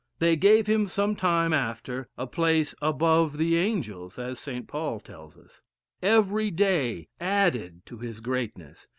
They gave him some time after, a place above the angels, as St. Paul tells us. Every day added to his greatness.